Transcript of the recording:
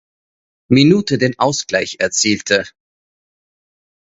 Minute den Ausgleich erzielte.